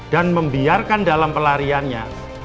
dan membiarkan dalam pelariannya